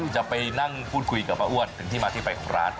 จะไปนั่งพูดคุยกับป้าอ้วนถึงที่มาที่ไปของร้าน